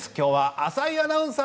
浅井アナウンサー。